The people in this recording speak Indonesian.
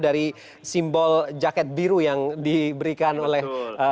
dari simbol jaket biru yang diberikan oleh